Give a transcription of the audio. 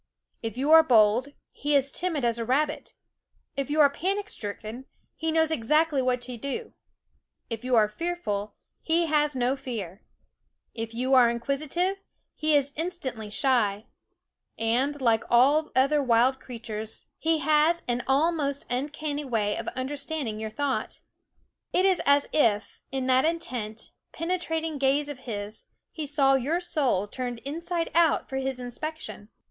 If you are bold, he is timid as a rabbit; if you are panic stricken, he knows exactly what to do; if you are fearful, he has no fear; if you are inquisitive, he is instantly shy; and, like all other wild creatures, he has an almost uncanny way of understand ing your thought. It is as if, in that intent, penetrating gaze of his, he saw your soul turned inside out for his inspection.